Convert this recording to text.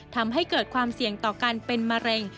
ทำให้เกิดความเสี่ยงต่อการเป็นมะเร็ง